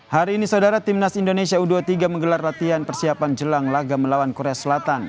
hari ini saudara timnas indonesia u dua puluh tiga menggelar latihan persiapan jelang laga melawan korea selatan